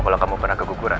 kalau kamu pernah kekuburan